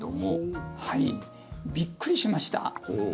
びっくりしました。